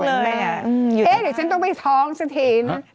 เดี๋ยวฉันต้องไปท้องสักทีนึง